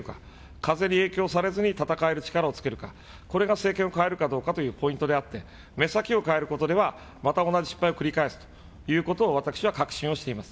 風に影響されずに戦える力をつけるか、これが政権を代えるかどうかというポイントであって、目先を変えることでは、また同じ失敗を繰り返すということを私は確信をしています。